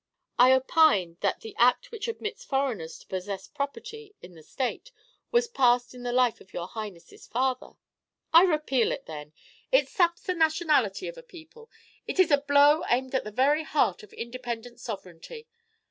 "I opine that the Act which admits foreigners to possess property in the state was passed in the life of your Highness's father." "I repeal it, then! It saps the nationality of a people; it is a blow aimed at the very heart of independent sovereignty.